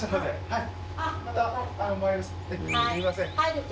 はい。